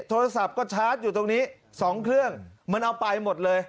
โทรศัพท์ก็ชาร์จอยู่ตรงนี้๒เครื่องมันเอาไปหมดเลย